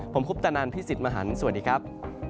ผมคุปตะนันพี่สิทธิ์มหันฯสวัสดีครับ